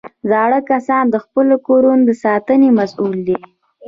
زاړه کسان د خپلو کورو د ساتنې مسؤل دي